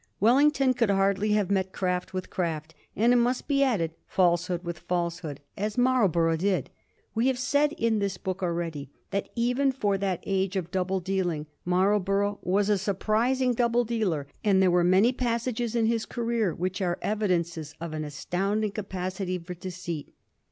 Wellington could hardly have met craft with craft, and, it must be added, falsehood with falsehood, as Marlborough did. We have said in this book already that even for that age of double dealing Marlborough was a sur prising double dealer, and there were many passages in his career which are evidences of an astounding capacity for deceit.